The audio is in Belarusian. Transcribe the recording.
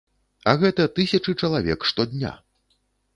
А гэта тысячы чалавек штодня.